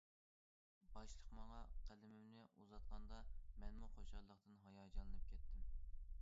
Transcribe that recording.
باشلىق ماڭا قەلىمىمنى ئۇزاتقاندا مەنمۇ خۇشاللىقتىن ھاياجانلىنىپ كەتتىم.